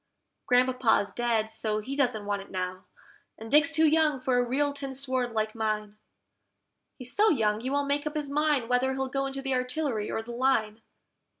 Grandpapa's dead, so he doesn't want it now, and Dick's too young for a real tin sword like mine: He's so young he won't make up his mind whether he'll go into the Artillery or the Line.